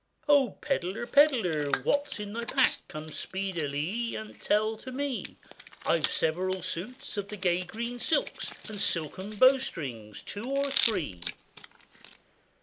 'Oh! pedlar, pedlar, what is in thy pack, Come speedilie and tell to me?' 'I've several suits of the gay green silks, And silken bowstrings two or three.